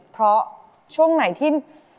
เพราะช่วงไหนที่